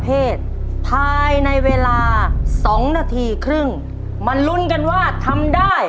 เพราะฉะนั้นช่วงหน้ามาเอาใจช่วยและลุ้นไปพร้อมกันนะครับ